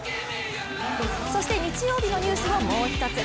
そして日曜日のニュースをもう一つ。